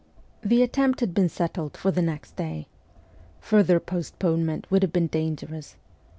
The attempt had been settled for the next day. Further postponement would have been dangerous.